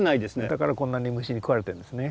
だからこんなに虫に食われてるんですね。